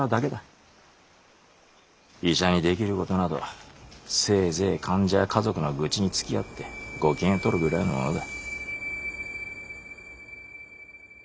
医者にできることなどせいぜい患者や家族の愚痴につきあってご機嫌をとるくらいのものだ。